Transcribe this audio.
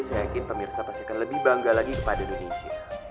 saya yakin pemirsa pasti akan lebih bangga lagi kepada indonesia